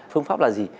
phương pháp là gì